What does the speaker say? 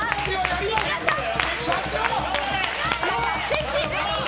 社長！